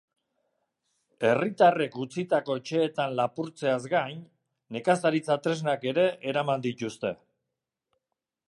Herritarrek utzitako etxeetan lapurtzeaz gain, nekazaritza-tresnak ere eraman dituzte.